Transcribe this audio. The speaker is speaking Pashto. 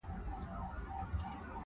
زه یې د خپل عقلاني صورتحال عکسونه بولم.